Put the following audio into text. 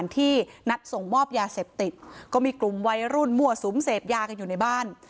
ที่นัดส่งมอบยาเสพติดก็มีกลุ่มวัยรุ่นมั่วสุมเสพยากันอยู่ในบ้าน